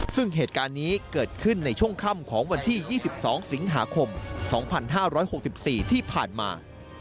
ซึ่งเหตุการณ์นี้เกิดขึ้นในช่วงค่ำของวันที่๒๒สิงหาคม๒๕๖๔ที่ผ่านมา